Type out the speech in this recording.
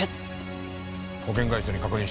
保険会社に確認した。